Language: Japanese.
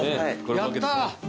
やったー。